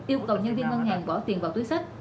yêu cầu nhân viên ngân hàng bỏ tiền vào túi sách